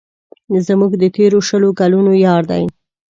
زموږ د تېرو شلو کلونو یار دی.